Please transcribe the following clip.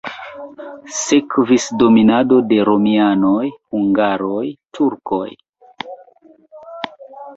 Sekvis dominado de romianoj, hungaroj, turkoj.